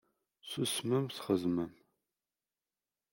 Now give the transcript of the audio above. Ssusmem, txedmem.